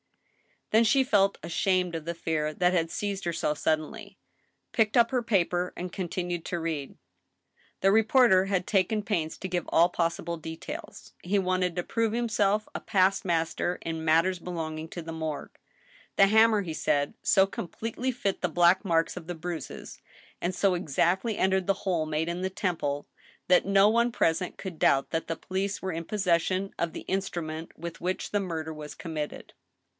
Then she felt ashamed of the fear that had seized her so sudden ly, picked up her paper and continued to read. The reporter had taken pains to give all possible details. He wanted to prove himself a past master in matters belonging to the morgue. " The hammer," he said, " so completely fitted the black marks of the bruises, and so exactly entered the hole made in the temple, that no one present could doubt that the police were in possession of the instrument with which the murder was committed.